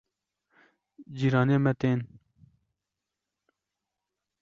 cîranê me tên